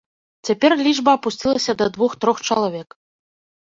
Цяпер лічба апусцілася да двух-трох чалавек.